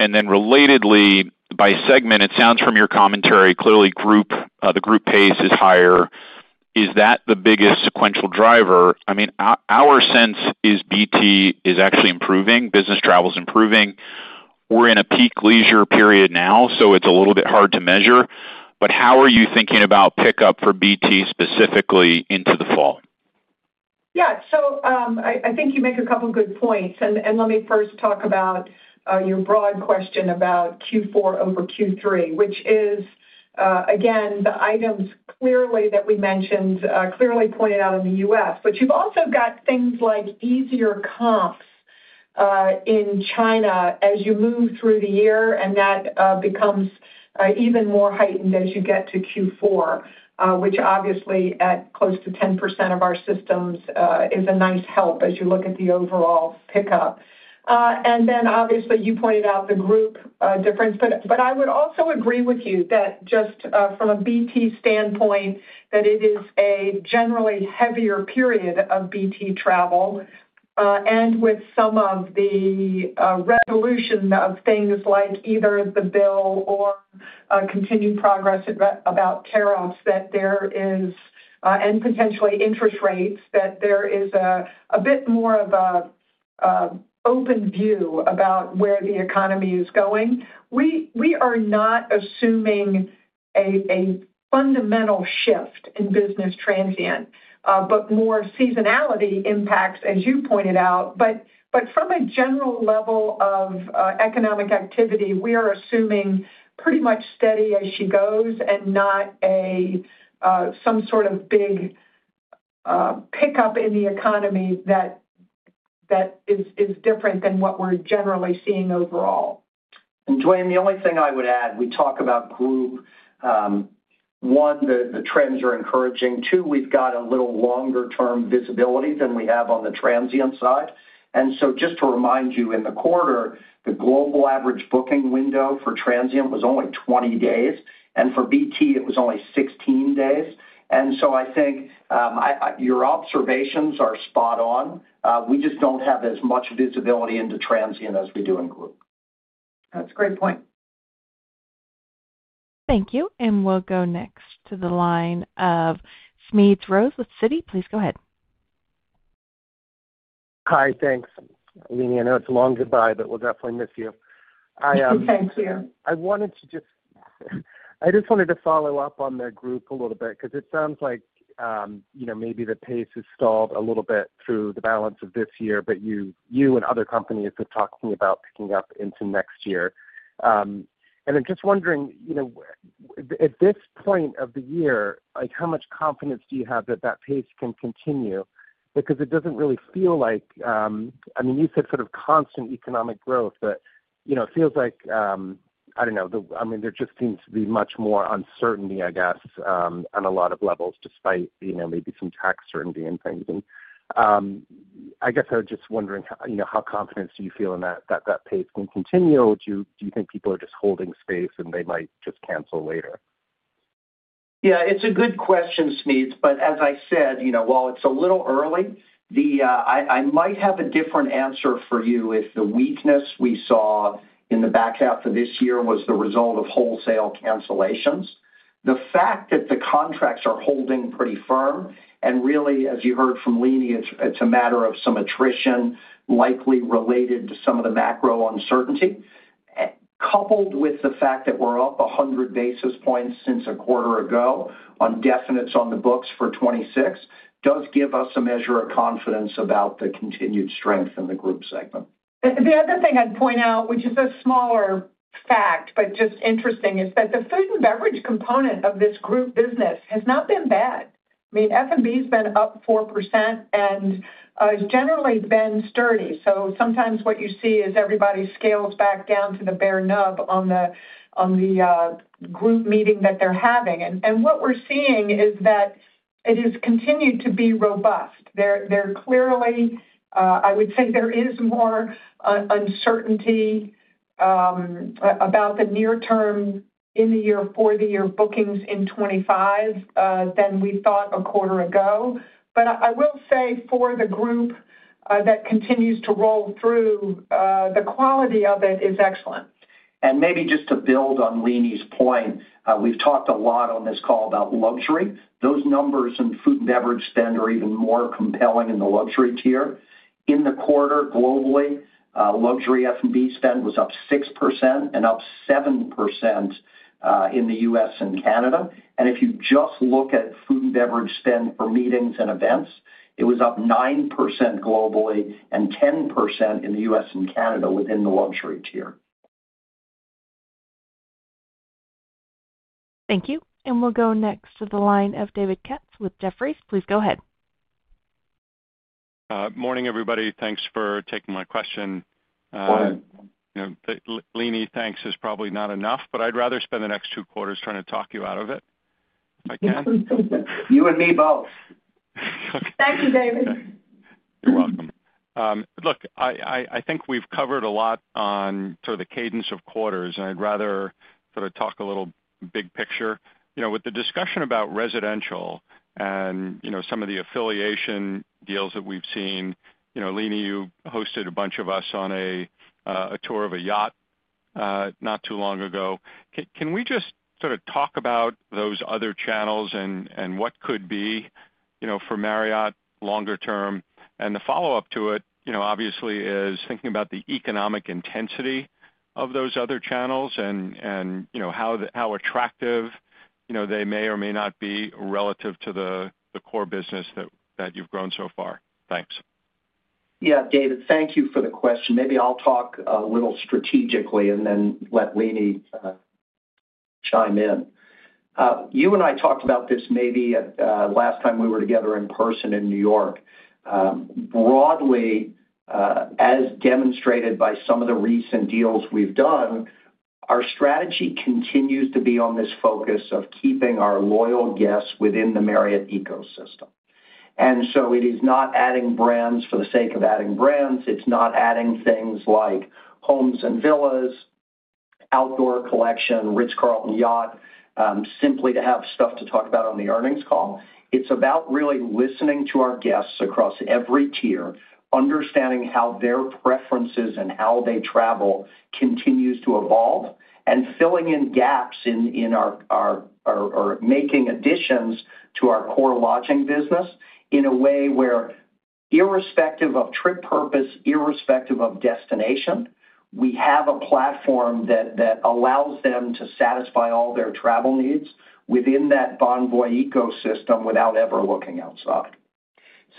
Relatedly, by segment, it sounds from your commentary clearly the group pace is higher. Is that the biggest sequential driver? I mean, our sense is BT is actually improving, business travel is improving, we're in a peak leisure period now, so it's a little bit hard to measure. How are you thinking about pickup for BT specifically into the fall? I think you make a couple good points. Let me first talk about your broad question about Q4 over Q3, which is again the items clearly that we mentioned clearly pointed out in the U.S., but you've also got things like easier to compare in China as you move through the year and that becomes even more heightened as you get to Q4, which obviously at close to 10% of our systems is a nice help as you look at the overall pickup. Obviously you pointed out the group difference. I would also agree with you that just from a BT standpoint that it is a generally heavier period of BT travel and with some of the resolution of things like either the bill or continued progress about tariffs, and potentially interest rates, that there is a bit more of an open view about where the economy is going. We are not assuming a fundamental shift in business transient but more seasonality impacts as you pointed out. From a general level of economic activity, we are assuming pretty much steady as she goes and not some sort of big pickup in the economy that is different than what we're generally seeing overall. Duane, the only thing I would add, we talk about, one, the trends are encouraging, two, we've got a little longer term visibility than we have on the transient side. Just to remind you, in the quarter, the global average booking window for transient was only 20 days and for BT it was only 16 days. I think your observations are spot on. We just don't have as much visibility into transient as we do include. That's a great point. Thank you. We'll go next to the line of Smedes Rose with Citi. Please go ahead. Hi. Thanks, Leeny. I know it's a long goodbye, but we'll definitely miss you. Thank you. I wanted to just follow up on the group a little bit because it sounds like maybe the pace has stalled a little bit through the balance of this year. You and other companies are talking about picking up into next year. I'm just wondering, at this point of the year, how much confidence do you have that that pace can continue? It doesn't really feel like, I mean, you said sort of constant economic growth, but it feels like, I don't know, there just seems to be much more uncertainty, I guess on a lot of levels, despite maybe some tax certainty and thinking. I guess I was just wondering how confident do you feel in that that pace can continue? Do you think people are just holding space and they might just cancel later? Yeah, it's a good question, Smedes. As I said, while it's a little early, I might have a different answer for you if the weakness we saw in the back half of this year was the result of wholesale cancellations. The fact that the contracts are holding pretty firm and really, as you heard from Leeny, it's a matter of some attrition, likely related to some of the macro uncertainty, coupled with the fact that we're up 100 basis points since a quarter ago on definites on the books for 2026, does give us a measure of confidence about the continued strength in the group segment. The other thing I'd point out, which is a smaller fact but just interesting, is that the food and beverage component of this group business has not been bad. I mean, F&B's been up 4% and generally been sturdy. Sometimes what you see is everybody scales back down to the bare nub on the group meeting that they're having. What we're seeing is that it has continued to be robust. Clearly, I would say there is more uncertainty about the near term in-the-year, for-the-year bookings in 2025 than we thought a quarter ago. I will say for the group that continues to roll through, the quality of it is excellent. Maybe just to build on Leeny's point, we've talked a lot on this call about luxury. Those numbers in food and beverage spend are even more compelling in the luxury tier. In the quarter globally, luxury F&B spend was up 6% and up 7% in the U.S. and Canada. If you just look at food and beverage spend for meetings and events, it was up 9% globally and 10% in the U.S. and Canada within the luxury tier. Thank you. We'll go next to the line of David Katz with Jefferies. Please go ahead. Morning, everybody. Thanks for taking my question, Leeny. Thanks is probably not enough, but I'd rather spend the next two quarters trying to talk you out of it. I can. You and me both. Thank you, David. You're welcome. I think we've covered a lot on sort of the cadence of quarters, and I'd rather talk a little big picture, with the discussion about residential and some of the affiliation deals that we've seen. Leeny, you hosted a bunch of us on a tour of a yacht not too long ago. Can we talk about those other channels and what could be for Marriott International longer term? The follow up to it obviously is thinking about the economic intensity of those other channels and how attractive they may or may not be relative to the core business that you've grown so far. Thanks. Yeah, David, thank you for the question. Maybe I'll talk a little strategically and then let Leeny chime in. You and I talked about this maybe last time we were together in person in New York. Broadly, as demonstrated by some of the recent deals we've done, our strategy continues to be on this focus of keeping our loyal guests within the Marriott ecosystem. It is not adding brands for the sake of adding brands. It's not adding things like Homes and Villas, Outdoor Collection, Ritz-Carlton Yacht, simply to have stuff to talk about on the earnings call. It's about really listening to our guests across every tier, understanding how their preferences and how they travel continues to evolve, and filling in gaps in or making additions to our core lodging business in a way where irrespective of trip purpose, irrespective of destination, we have a platform that allows them to satisfy all their travel needs within that Bonvoy ecosystem without ever looking outside.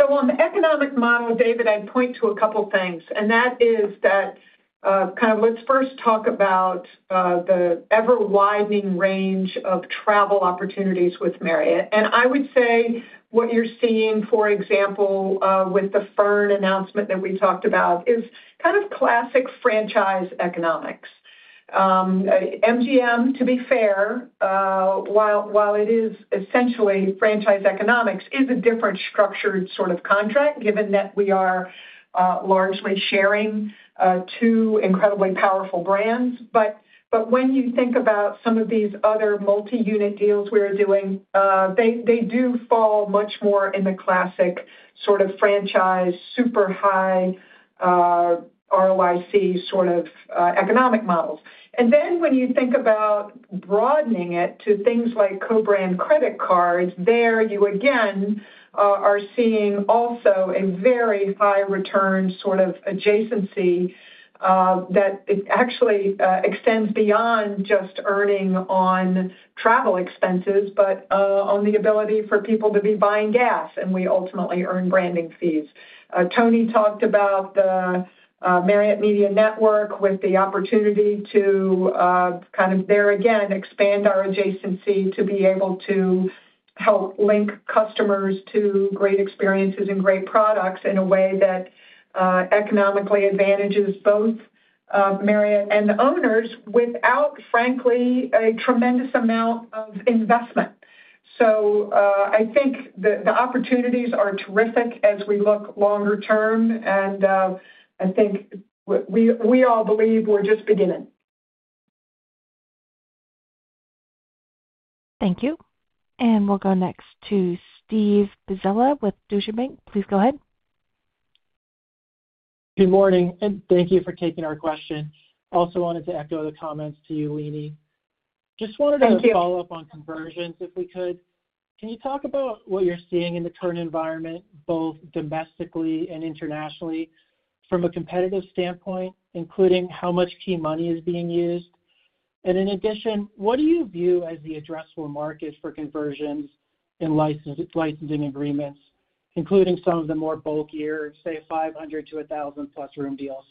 On the economic model, David, I'd point to a couple things. Let's first talk about the ever-widening range of travel opportunities with Marriott. I would say what you're seeing, for example, with the Fern announcement that we talked about is classic franchise economics. MGM, to be fair, while it is essentially franchise economics, is a different structured sort of contract given that we are largely sharing two incredibly powerful brands. When you think about some of these other multi-unit deals we are doing, they do fall much more in the classic franchise super high-ROIC economic models. When you think about broadening it to things like co-branded credit cards, there you again are seeing a very high return adjacency that actually extends beyond just earning on travel expenses but on the ability for people to be buying gas, and we ultimately earn brand fees. Tony talked about the Marriott Media Network with the opportunity to expand our adjacency to be able to help link customers to great experiences and great products in a way that economically advantages both Marriott and owners without, frankly, a tremendous amount of investment. I think the opportunities are terrific as we look longer term, and I think we all believe we're just beginning. Thank you. We'll go next to Steve Pizzella with Deutsche Bank. Please go ahead. Good morning and thank you for taking our question. Also wanted to echo the comments to you, Leeny, Thank you. Just wanted to follow up on conversions if we could. Can you talk about what you're seeing in the current environment both domestically and internationally, from a competitive standpoint, including how much key money is being used? In addition, what do you view as the addressable market for conversions and. Licensing agreements, including some of the more. Bulkier, say, 500-1,000+ room deals?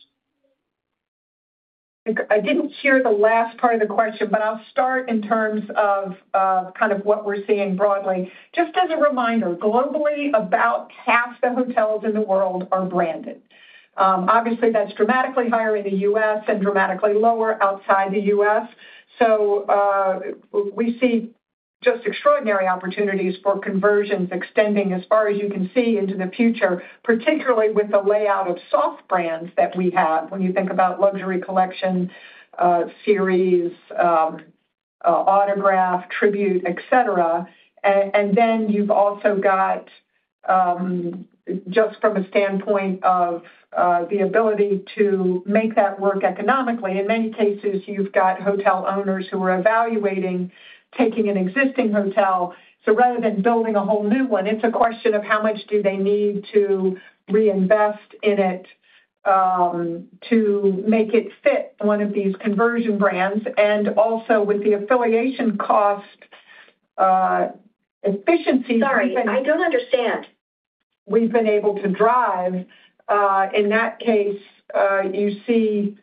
I didn't share the last part of the question, but I'll start in terms of kind of what we're seeing broadly. Just as a reminder, globally about half the hotels in the world are branded. Obviously, that's dramatically higher in the U.S. and dramatically lower outside the U.S., so we see just extraordinary opportunities for conversions extending as far as you can see into the future, particularly with the layout of soft brands that we have. When you think about Luxury Collection, Series, Autograph, Tribute, etc. Then you've also got, just from a standpoint of the ability to make that work economically, in many cases, you've got hotel owners who are evaluating taking an existing hotel. Rather than building a whole new one, it's a question of how much do they need to reinvest in it to make it fit one of these conversion brands. Also, with the affiliation, cost efficiency we've been able to drive. In that case, you see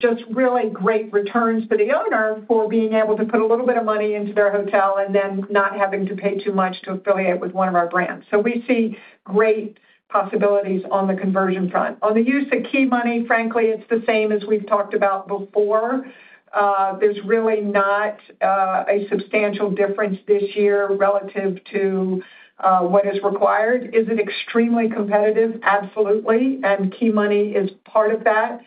just really great returns for the owner for being able to put a little bit of money into their hotel and then not having to pay too much to affiliate with one of our brands. We see great possibilities on the conversion front on the use of key money. Frankly, it's the same as we've talked about before. There's really not a substantial difference this year relative to what is required. Is it extremely competitive? Absolutely. Key money is part of that.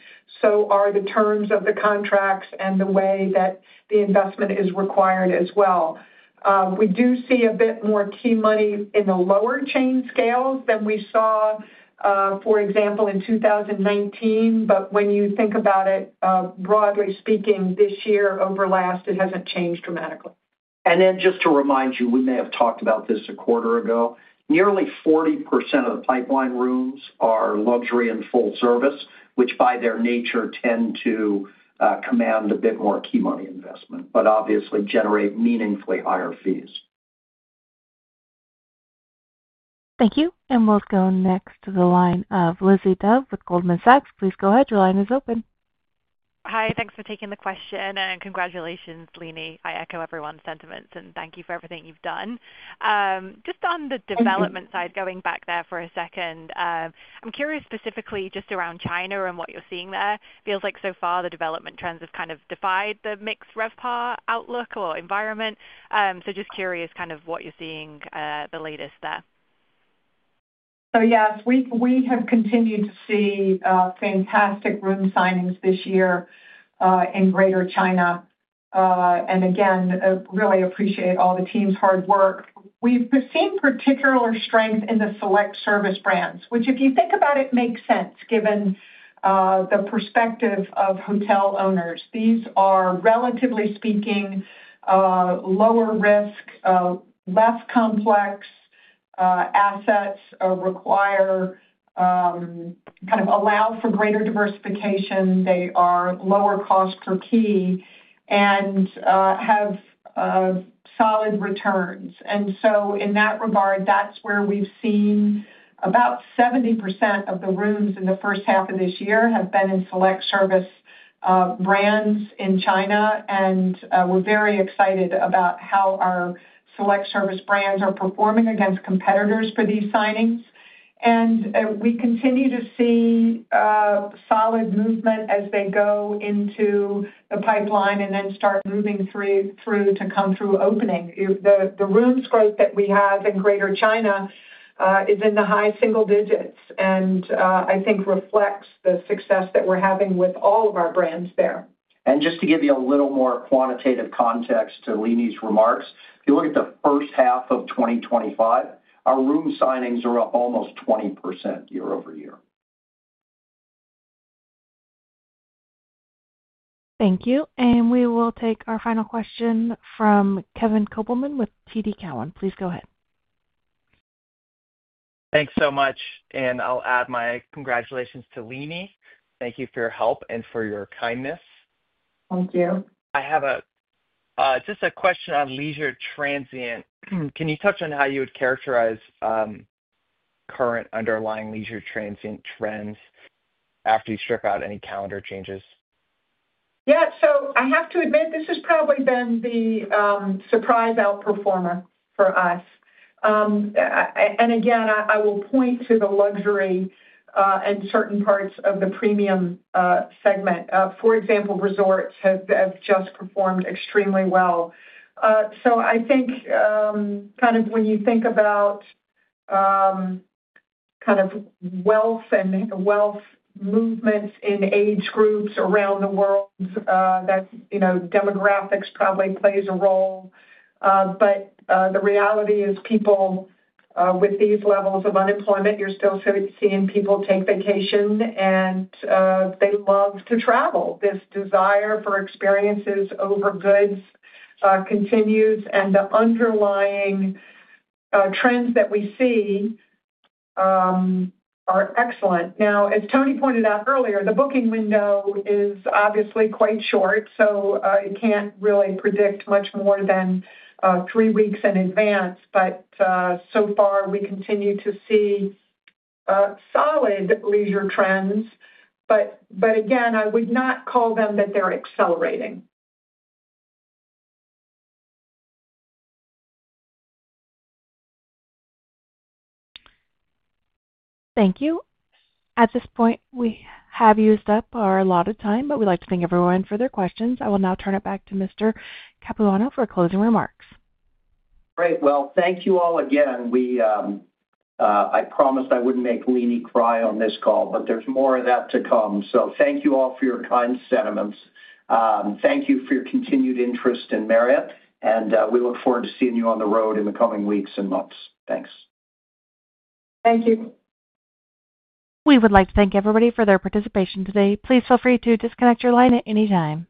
The terms of the contracts and the way that the investment is required as well are also factors. We do see a bit more key money in the lower chain scales than we saw, for example, in 2019. When you think about it, broadly speaking, this year over last, it hasn't changed dramatically. Just to remind you, we may have talked about this a quarter ago, nearly 40% of the pipeline rooms are luxury and full service, which by their nature tend to command a bit more key money investment, but obviously generate meaningfully higher fees. Thank you. We'll go next to the line of Lizzie Dove with Goldman Sachs. Please go ahead. Your line is open. Hi, thanks for taking the question and congratulations, Leeny. I echo everyone's sentiments and thank you for everything you've done. Just on the development side, going back there for a second, I'm curious specifically just around China and what you're seeing there. It feels like so far the development trends have kind of defied the mixed RevPAR outlook or environment. Just curious, kind of what you're seeing the latest there. Yes, we have continued to see fantastic room signings this year in Greater China and again, really appreciate all the team's hard work. We've seen particular strength in the select service brands, which, if you think about it, makes sense given the perspective of hotel owners. These are, relatively speaking, lower risk, less complex assets, require kind of allow for greater diversification, they are lower cost per key and have solid returns. In that regard, that's where we've seen about 70% of the rooms in the first half of this year have been in select service brands in China. We're very excited about how our select service brands are performing against competitors for these signings and we continue to see solid movement as they go into the pipeline and then start moving through to come through opening the rooms. Growth that we have in Greater China is in the high single digits and I think reflects the success that we're having with all of our brands there. To give you a little more quantitative context to Leeny's remarks, you look at the first half of 2025, our room signings are up almost 20% year-over-year. Thank you. We will take our final question from Kevin Kopelman with TD Cowen. Please go ahead. Thanks so much. I'll add my congratulations to Leeny. Thank you for your help and for your kindness. Thank you. I have just a question on leisure transient. Can you touch on how you would characterize current underlying leisure transient trends after you strip out any calendar changes? I have to admit this has probably been the surprise outperformer for us. I will point to the luxury and certain parts of the premium segment. For example, resorts have just performed extremely well. I think when you think about wealth and wealth movements in age groups around the world, demographics probably plays a role. The reality is people with these levels of unemployment, you're still seeing people take vacation and they love to travel. This desire for experiences over goods continues and the underlying trends that we see are excellent. As Tony pointed out earlier, the booking window is obviously quite short, so it can't really predict much more than three weeks in advance. So far we continue to see solid leisure trends. I would not call them that they're accelerating. Thank you. At this point, we have used up our allotted time, but we'd like to thank everyone for their questions. I will now turn it back to Mr. Capuano for closing remarks. Great. Thank you all again. I promised I wouldn't make Leeny cry on this call, but there's more of that to come. Thank you all for your kind sentiments. Thank you for your continued interest in Marriott and we look forward to seeing you on the road in the coming weeks and months. Thanks. Thank you. We would like to thank everybody for their participation today. Please feel free to disconnect your line at any time.